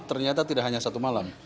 ternyata tidak hanya satu malam